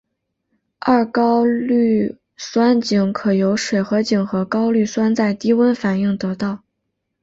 二高氯酸肼可由水合肼和高氯酸在低温反应得到。